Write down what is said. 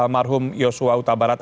marhum yosua utabarat